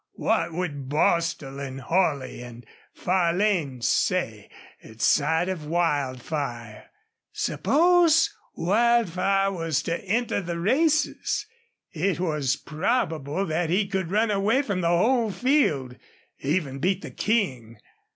What would Bostil and Holley and Farlane say at sight of Wildfire? Suppose Wildfire was to enter the races! It was probable that he could run away from the whole field even beat the King.